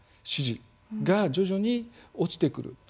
支持が徐々に落ちてくる。